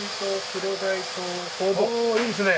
おおいいですね。